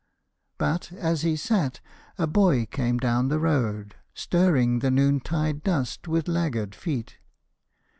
But, as he sat, a boy came down the road, Stirring the noontide dust with laggard feet.